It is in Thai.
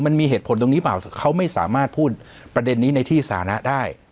มันมีเหตุผลตรงนี้เปล่าเขาไม่สามารถพูดประเด็นนี้ในที่สานะได้